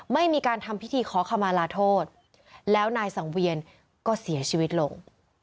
ไม่มีการทำพิธีขอขมาลาโทษแล้วนายสังเวียนก็เสียชีวิตลง